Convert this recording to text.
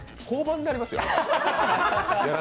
降板になりますよ。